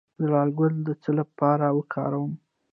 د لاله ګل د څه لپاره وکاروم؟